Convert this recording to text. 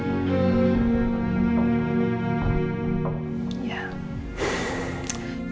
masalah gak akan selesai